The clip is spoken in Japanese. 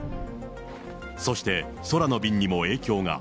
そして、空の便にも影響が。